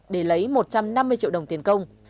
để lấy một trăm năm mươi triệu đồng tiền công